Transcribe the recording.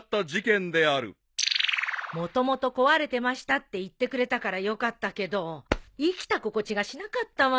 もともと壊れてましたって言ってくれたからよかったけど生きた心地がしなかったわよ。